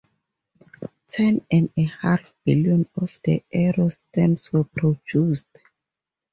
Ten and a half billion of the error stamps were produced.